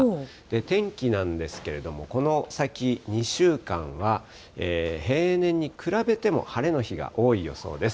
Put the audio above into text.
天気なんですけれども、この先２週間は、平年に比べても晴れの日が多い予想です。